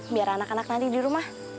biar anak anak nanti di rumah